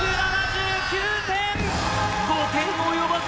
５点及ばず！